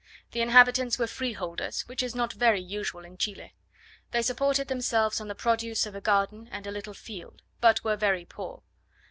The inhabitants were freeholders, which is not very usual in Chile. They supported themselves on the produce of a garden and a little field, but were very poor.